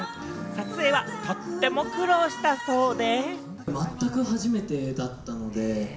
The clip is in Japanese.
撮影はとても苦労したそうで。